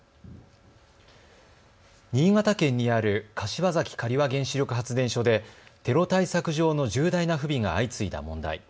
新潟県にある柏崎刈羽原子力発電所でテロ対策上の重大な不備が相次いだ問題。